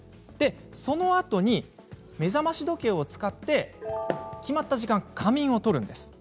そのあとに目覚まし時計を使って決まった時間仮眠をとるんです。